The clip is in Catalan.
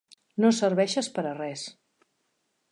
No serveixes per a res.